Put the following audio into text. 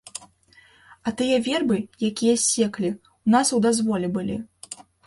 А тыя вербы, якія ссеклі, у нас у дазволе былі.